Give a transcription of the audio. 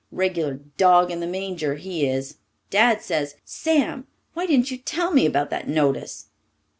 Regular dog in the manger, he is. Dad says " "Sam, why didn't you tell me about that notice?"